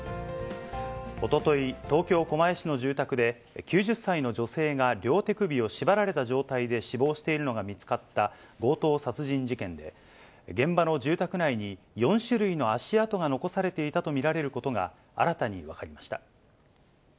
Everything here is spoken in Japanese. おととい、東京・狛江市の住宅で、９０歳の女性が両手首を縛られた状態で死亡しているのが見つかった強盗殺人事件で、現場の住宅内に、４種類の足跡が残されていたと見られることが新たに分かりました。